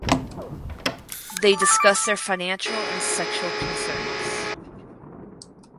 They discuss their financial and sexual concerns.